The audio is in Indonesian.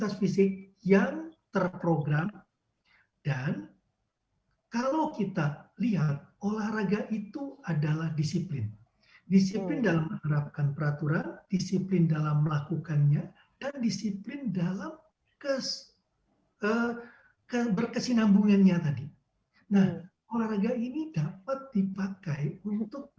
sebentar jangan dulu